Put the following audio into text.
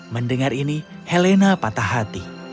mendengar ini helena patah hati